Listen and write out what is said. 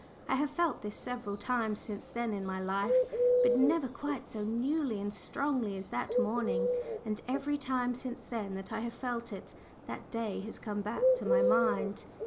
I have felt this several times since then in my life, but never quite so newly and strongly as that morning, and every time since then that I have felt it, that day has come back to my mind.